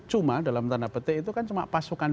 cuma dalam tanda petik itu kan cuma pasukan